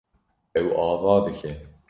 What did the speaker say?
Ew ava dike.